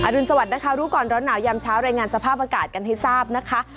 รุนสวัสดินะคะรู้ก่อนร้อนหนาวยามเช้ารายงานสภาพอากาศกันให้ทราบนะคะ